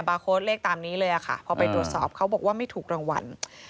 โค้ดเลขตามนี้เลยค่ะพอไปตรวจสอบเขาบอกว่าไม่ถูกรางวัล